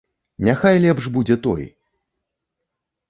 Няхай лепш будзе той.